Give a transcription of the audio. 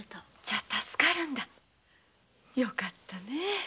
じゃ助かるんだよかったねぇ。